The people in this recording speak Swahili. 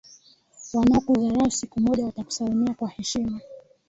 Wanaokudharau siku moja watakusalimia kwa heshima.